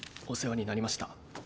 お世話になりました。